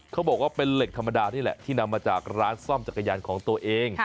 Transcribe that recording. เขาบอกว่าเป็นเหล็กธรรมดานี่แหละที่นำมาจากร้านซ่อมจักรยานของตัวเอง